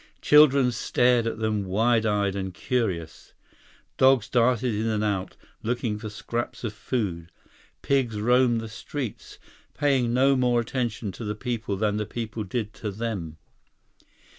Children stared at them wide eyed and curious. Dogs darted in and out, looking for scraps of food. Pigs roamed the streets, paying no more attention to the people than the people did to them.